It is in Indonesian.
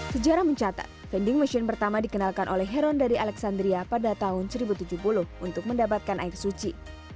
sejarah mencatat vending machine pertama dikenalkan oleh heron dari alexandria pada tahun seribu tujuh puluh untuk mendapatkan air suci